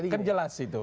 kan jelas itu